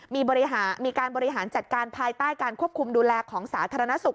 มีการบริหารจัดการภายใต้การควบคุมดูแลของสาธารณสุข